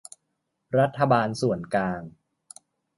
รัฐบาลส่วนกลาง